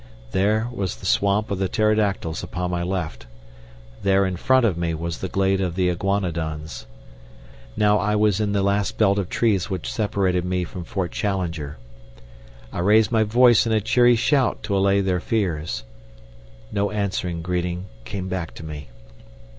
There was the swamp of the pterodactyls upon my left; there in front of me was the glade of the iguanodons. Now I was in the last belt of trees which separated me from Fort Challenger. I raised my voice in a cheery shout to allay their fears. No answering greeting came back to me.